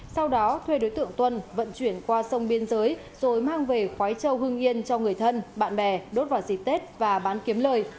sau đó thuê đối tượng tuân vận chuyển qua sông biên giới rồi mang về khói châu hưng yên cho người thân bạn bè đốt vào dịp tết và bán kiếm lời